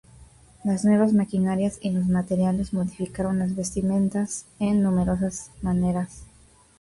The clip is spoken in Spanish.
Las nuevas maquinarias y los materiales modificaron las vestimentas en numerosas maneras.